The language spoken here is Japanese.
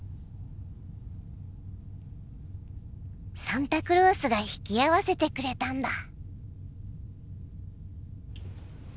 サンタクロースが引き合わせてくれたんだ。